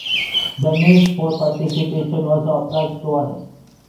The need for participation also applies to us.